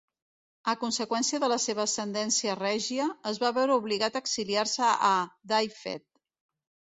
A conseqüència de la seva ascendència règia, es va veure obligat a exiliar-se a Dyfed.